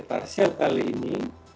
parsial kali ini